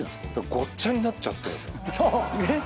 ごっちゃになっちゃってるんですよ。